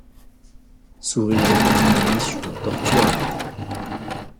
Sourire épanoui sur la torture amère!